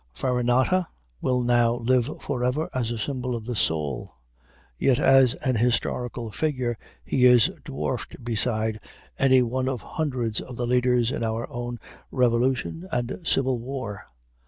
Farinata will now live forever as a symbol of the soul; yet as an historical figure he is dwarfed beside any one of hundreds of the leaders in our own Revolution and Civil War.